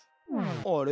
あれ？